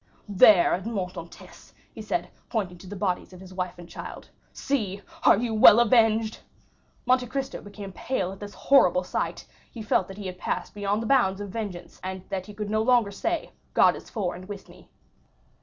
"There, Edmond Dantès!" he said, pointing to the bodies of his wife and child, "see, are you well avenged?" Monte Cristo became pale at this horrible sight; he felt that he had passed beyond the bounds of vengeance, and that he could no longer say, "God is for and with me."